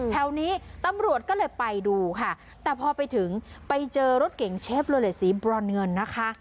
แถวนี้ตำรวจก็เลยไปดูค่ะแต่พอไปถึงไปเจอรถเก่งเชฟโลเลสสีบรอนเงินนะคะ